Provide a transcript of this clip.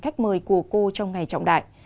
khách mời của cô trong ngày trọng đại